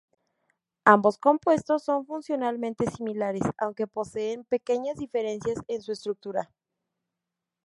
Ambos compuestos son funcionalmente similares, aunque poseen pequeñas diferencias en su estructura.